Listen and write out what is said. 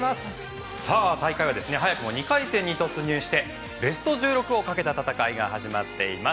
大会は早くも２回戦に突入してベスト１６をかけた戦いが始まっています。